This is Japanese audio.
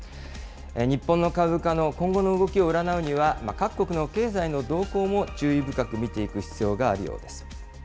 日本の株価の今後の動きをうらなうには、各国の経済の動向も注意深く見ていく必要があるようです。